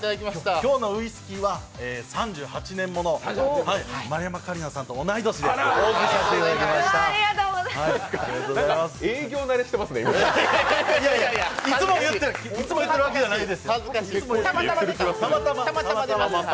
今日のウイスキーは３８年もの、丸山桂里奈さんと同い年でやらせていただきました。